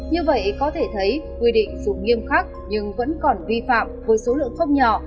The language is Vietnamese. như vậy có thể thấy quy định dùng nghiêm khắc nhưng vẫn còn vi phạm với số lượng không nhỏ